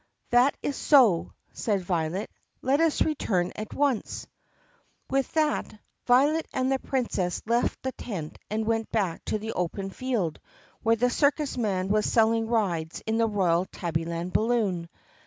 "That is so," said Violet. "Let us return at once." With that, Violet and the Princess left the tent and went back to the open field where the circus man was selling rides in the royal Tabbyland balloon.